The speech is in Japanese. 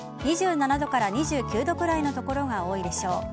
２７度から２９度くらいの所が多いでしょう。